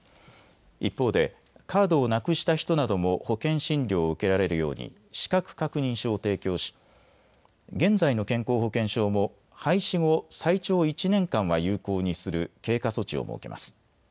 一方でカードをなくした人なども保険診療を受けられるように資格確認書を提供し現在の健康保険証も廃止後最長１年間は有効にする経過措置を設けます。